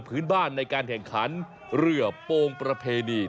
พื้นบ้านในการแข่งขันเรือโปรงประเพณี